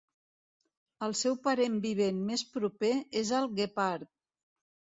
El seu parent vivent més proper és el guepard.